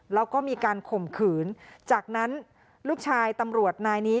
แล้วก็มีการข่มขืนจากนั้นลูกชายตำรวจนายนี้